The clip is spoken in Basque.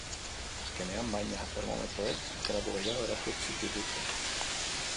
Azkenean, baina, termometroek gradu gehiago erakutsi dituzte.